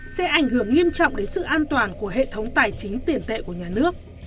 sẽ ảnh hưởng nghiêm trọng đến sự an toàn của hệ thống tài chính tiền tệ của nhà nước